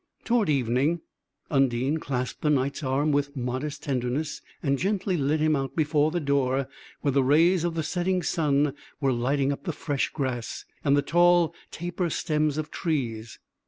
Toward evening, Undine clasped the Knight's arm with modest tenderness, and gently led him out before the door, where the rays of the setting sun were lighting up the fresh grass, and the tall, taper stems of trees.